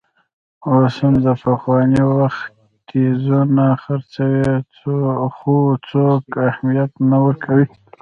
اوس هم د پخواني وخت ټیزونه خرڅوي، خو څوک اهمیت نه ورکوي.